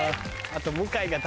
あと。